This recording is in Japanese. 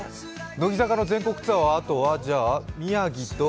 乃木坂の全国ツアーはあとは宮城と？